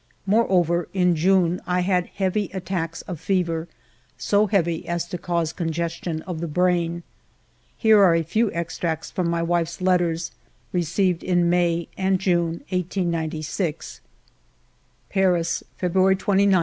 More over, in June I had heavy attacks of fever, so heavy as to cause congestion of the brain. Here are a few extracts from my wife's letters received in May and June, 1896 :— "Paris, February 29, 1896.